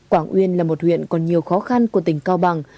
quảng uyên là một huyện còn nhiều khó khăn của tỉnh cao bằng